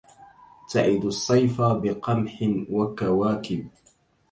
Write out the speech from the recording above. تَعِدُ الصيف بقمح وكواكبْ